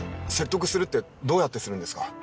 説得するってどうやってするんですか？